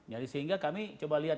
jadi sehingga kami coba lihat